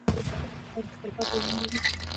احمدشاه بابا د تاریخ په پاڼو کې تلپاتې نوم لري.